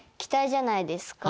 じゃないですか。